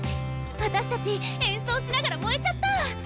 私たち演奏しながら燃えちゃった！